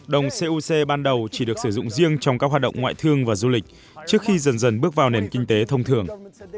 đồng coc ban đầu chỉ được sử dụng riêng trong các hoạt động ngoại thương và du lịch trước khi dần dần bước vào nền kinh tế thông thường